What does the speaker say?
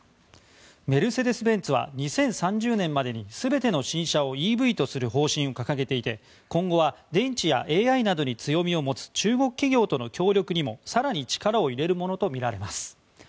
メルセデス・ベンツは２０３０年までに全ての新車をＥＶとする方針を掲げていて今後は、電池やＡＩなどに強みを持つ中国企業との協力にも更に力を入れるものとみられます。